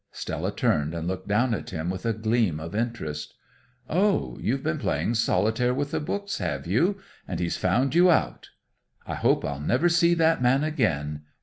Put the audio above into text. Stella turned and looked down at him with a gleam of interest. "Oh, you've been playing solitaire with the books, have you? And he's found you out! I hope I'll never see that man again.